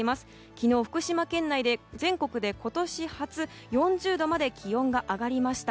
昨日、福島県内で全国で今年初４０度まで気温が上がりました。